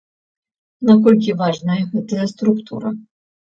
Наколькі важная гэтая структура?